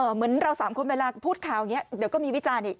เหมือนเราสามคนเวลาพูดข่าวอย่างนี้เดี๋ยวก็มีวิจารณ์อีก